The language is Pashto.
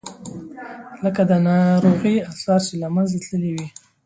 لکه د ناروغۍ آثار چې له منځه تللي وي.